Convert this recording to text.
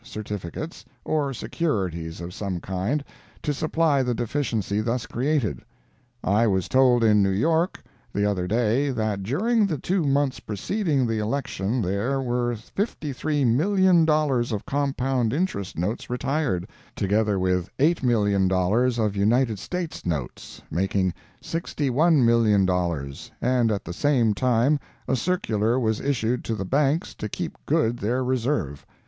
certificates, or securities of some kind, to supply the deficiency thus created. I was told in New York the other day that during the two months preceding the election there were $53,000,000 of compound interest notes retired, together with $8,000,000 of United States notes, making $61,000,000, and at the same time a circular was issued to the banks to keep good their reserve.